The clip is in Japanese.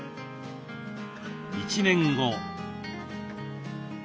１年後。